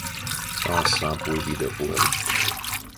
Taas saapui videopuhelu.